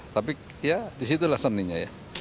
tapi ya disitulah seninya ya